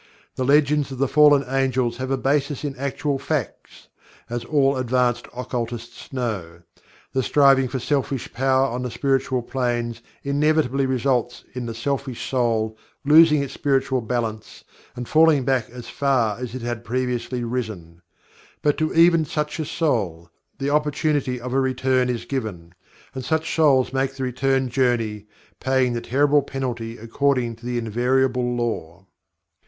The legends of the Fallen Angels have a basis in actual facts, as all advanced occultists know. The striving for selfish power on the Spiritual Planes inevitably results in the selfish soul losing its spiritual balance and falling back as far as it had previously risen. But to even such a soul, the opportunity of a return is given and such souls make the return journey, paying the terrible penalty according to the invariable Law.